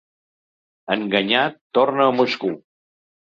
Enganyat, torna a Moscou.